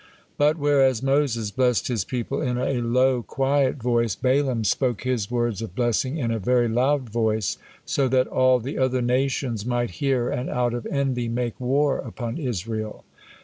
But whereas Moses blessed his people in a low, quiet voice, Balaam spoke his words of blessing in a very loud voice, so that all the other nations might hear and out of envy make war upon Israel.